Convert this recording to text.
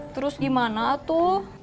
terus gimana tuh